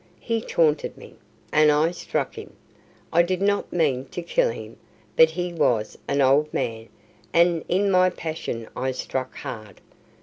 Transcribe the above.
He taunted me and I struck him. I did not mean to kill him, but he was an old man, and in my passion I struck hard.